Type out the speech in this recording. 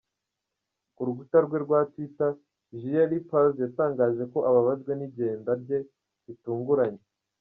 Ku rukuta rwe rwa Twitter, Julien Lepers yatangaje ko ababajwe n’igenda rye ritunguranye.